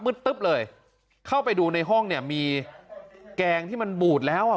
ตึ๊บเลยเข้าไปดูในห้องเนี่ยมีแกงที่มันบูดแล้วอ่ะ